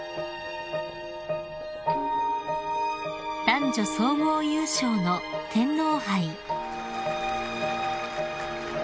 ［男女総合優勝の天皇杯］